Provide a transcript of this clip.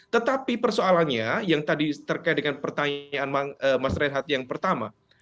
tetapi persoalannya yang tadi terkait dengan pertanyaan mas reinhardt yang pertama